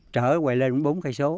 trở quầy lên cũng bốn km